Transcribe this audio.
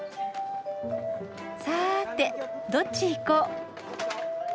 さてどっち行こう？